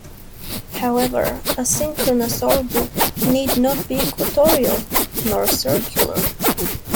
However, a synchronous orbit need not be equatorial; nor circular.